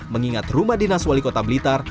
mengingat rumah dinas wali kota blitar